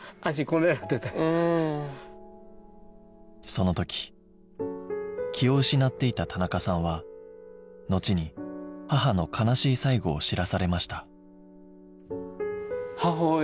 その時気を失っていた田中さんはのちに母の悲しい最期を知らされました